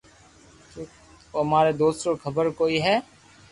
او تماري دوست نو خبر ڪوئي ھي